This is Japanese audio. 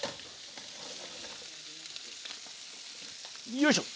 よいしょ！